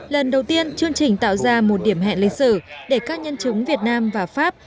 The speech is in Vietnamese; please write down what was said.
lần đầu tiên chương trình tạo ra một điểm hẹn lịch sử để các nhân chứng việt nam và pháp